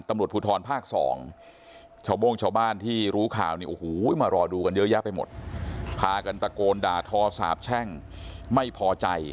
ตำรวจผูทรภาคสองชาวโมงชาวบ้านที่รู้ข่าวนี้โอ้โห